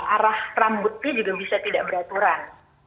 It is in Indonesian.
arah rambutnya juga bisa tidak beraturan